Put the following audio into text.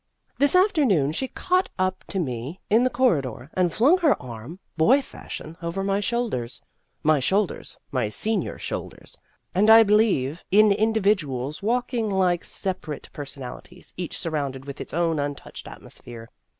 This afternoon she caught up to me in the corridor, and flung her arm, boy fashion, over my shoulders my shoul ders my senior shoulders (and I believe in individuals walking like separate per sonalities, each surrounded with its own untouched atmosphere).